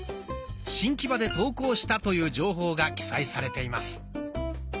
新木場で投稿したという情報が記載されています。